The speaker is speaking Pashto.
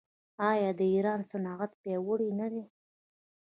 آیا د ایران صنعت پیاوړی نه دی؟